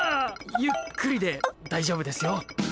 ゆっくりで大丈夫ですよ。